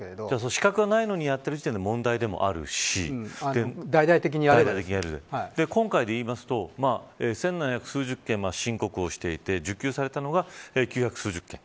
資格がないのにやってる時点で問題でもあるし今回で言えば１７００数十件申告していて支給されたのが９００数十件。